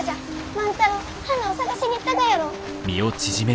万太郎花を探しに行ったがやろう！